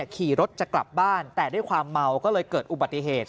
ขี่รถจะกลับบ้านแต่ด้วยความเมาก็เลยเกิดอุบัติเหตุ